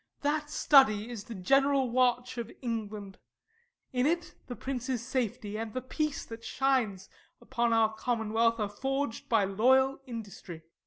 That study is the general watch of England; In it the prince's safety, and the peace That shines upon our commonwealth, are forged By loyal industry.